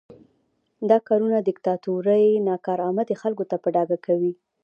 دا کارونه د دیکتاتورۍ ناکارآمدي خلکو ته په ډاګه کوي.